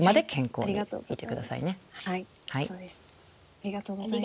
ありがとうございます。